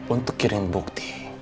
untuk kirim bukti